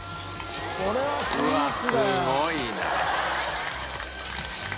うわっすごいな。